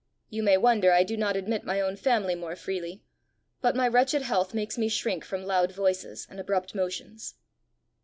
You may wonder I do not admit my own family more freely; but my wretched health makes me shrink from loud voices and abrupt motions."